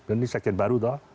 ini sekjen baru toh